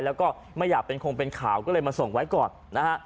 แล้วก็ไม่อยากเป็นคงเป็นข่าวก็เลยมาส่งไว้ก่อนนะฮะ